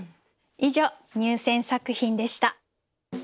以上入選作品でした。